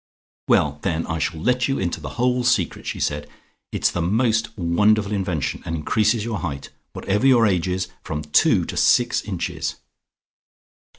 "Well, then I shall let you into the whole secret," she said. "It's the most wonderful invention, and increases your height, whatever your age is, from two to six inches.